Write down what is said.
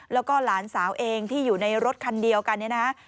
แล้วก็หลานสาวเองที่อยู่ในรถคันเดียวกันเนี่ยนะฮะ